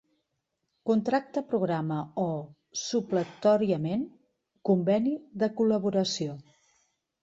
Contracte programa o, supletòriament, conveni de col·laboració.